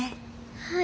はい。